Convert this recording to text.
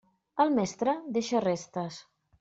El mestre deixa restes.